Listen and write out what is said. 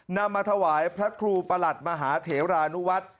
นำมาถวายพระครูประหลัดมหาเถรานุวัฒน์